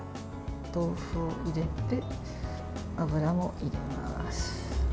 豆腐を入れて油も入れます。